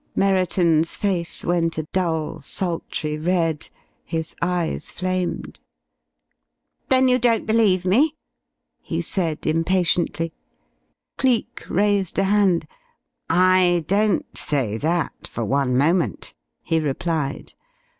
Merriton's face went a dull, sultry red. His eyes flamed. "Then you don't believe me?" he said, impatiently. Cleek raised a hand. "I don't say that for one moment," he replied.